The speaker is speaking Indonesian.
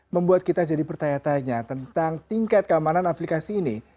membuat kita jadi bertanya tanya tentang tingkat keamanan aplikasi ini